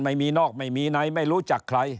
ไม่มีนอกไม่มีในไม่รู้จักใคร